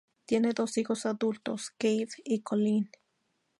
Tiene dos hijos adultos: Gabe y Colin.